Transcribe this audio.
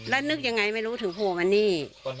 แล้วนึกยังไงไม่รู้ถึงโผล่มานี่